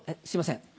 すいません。